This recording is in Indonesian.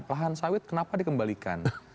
lahan sawit kenapa dikembalikan